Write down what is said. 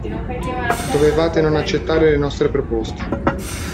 Dovevate non accettare le nostre proposte.